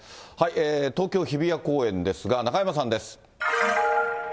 東京・日比谷公園ですが、中山さんです。